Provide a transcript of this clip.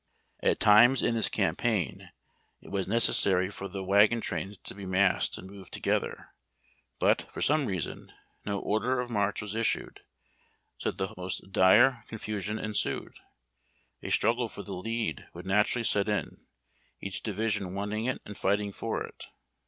At times in this campaign it was necessary for the wagon trains to be massed and move together, but, for some reason, no order of march was issued, so that the most dire con fusion ensued. A struggle for the lead would naturally set in, each division wanting it and fighting for it.